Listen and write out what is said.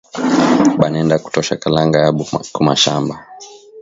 Banaenda kutosha kalanga yabo kumashamba